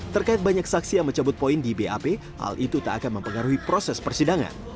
terkait banyak saksi yang mencabut poin di bap hal itu tak akan mempengaruhi proses persidangan